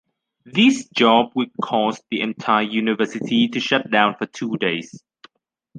This job will cause the entire university to shut down for two days.